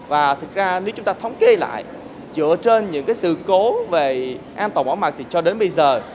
và thực ra nếu chúng ta thống kê lại dựa trên những sự cố về an toàn bảo mật thì cho đến bây giờ